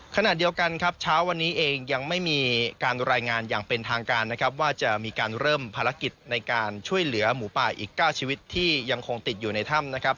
ขณะเดียวกันครับเช้าวันนี้เองยังไม่มีการรายงานอย่างเป็นทางการนะครับว่าจะมีการเริ่มภารกิจในการช่วยเหลือหมูป่าอีก๙ชีวิตที่ยังคงติดอยู่ในถ้ำนะครับ